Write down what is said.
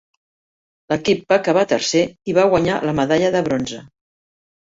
L"equip va acabar tercer i va guanyar la medalla de bronze.